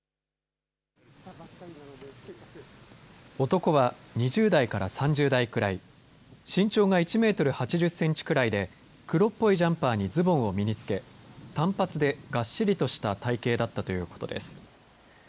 男は２０代から３０代くらい身長が１メートル８０センチくらいで黒っぽいジャンパーにズボンを身につけ短髪でがっしりとした体形だったということです。